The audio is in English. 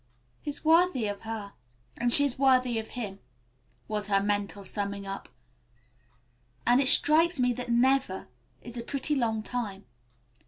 "He's worthy of her, and she's worthy of him," was her mental summing up, "and it strikes me that 'never' is a pretty long time.